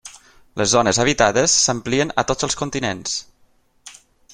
Les zones habitades s'amplien a tots els continents.